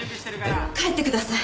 帰ってください。